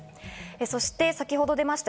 そして先ほど出ました